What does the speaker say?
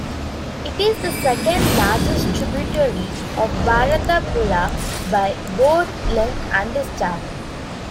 It is the second largest tributary of Bharathapuzha, by both length and discharge.